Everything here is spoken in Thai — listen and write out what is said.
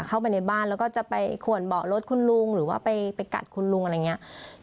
เข้าไปในบ้านแล้วก็จะไปขวนเบาะรถคุณลุงหรือว่าไปกัดคุณลุงอะไรอย่างนี้